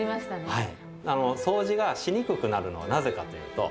はい。